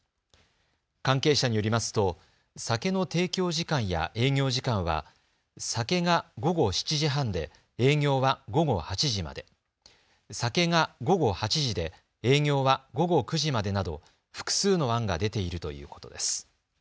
関係者によりますと酒の提供時間や営業時間は酒が午後７時半で営業は午後８時まで、酒が午後８時で営業は午後９時までなど複数の案が出ているということです。